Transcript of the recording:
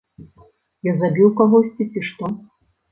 Я забіў кагосьці, ці што?